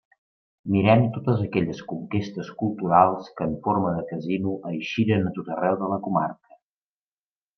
Mirem totes aquelles conquestes culturals que en forma de casino eixiren a tot arreu de la comarca.